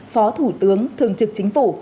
phó thủ tướng thường trực chính phủ